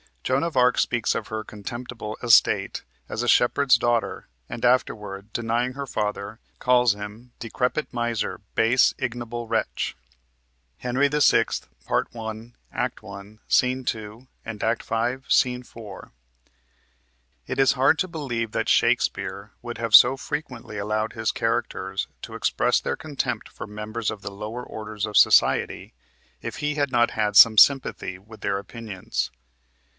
Joan of Arc speaks of her "contemptible estate" as a shepherd's daughter, and afterward, denying her father, calls him "Decrepit miser! base, ignoble wretch!" (Henry VI., Part 1, Act 1, Sc. 2, and Act 5, Sc. 4.) It is hard to believe that Shakespeare would have so frequently allowed his characters to express their contempt for members of the lower orders of society if he had not had some sympathy with their opinions.